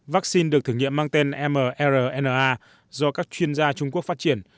vaccine được thử nghiệm mang tên mrna do các chuyên gia trung quốc phát triển